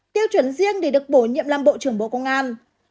tiêu chuẩn riêng để được bổ nhiệm làm bộ trưởng bộ công an